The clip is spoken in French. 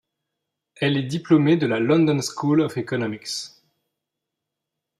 Elle est diplômée de la London School of Economics.